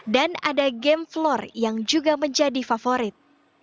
dan ada game floor yang juga menjadi favorit